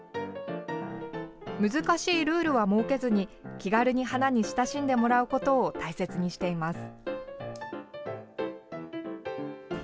難しいルールは設けずに気軽に花に親しんでもらうことを大切にしています。